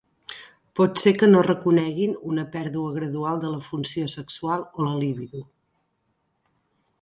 Pot ser que no reconeguin una pèrdua gradual de la funció sexual o la libido.